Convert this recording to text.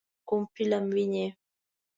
کوم فلم وینئ؟